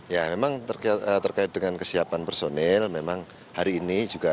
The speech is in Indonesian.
ya memang terkait dengan kesiapan personil memang hari ini juga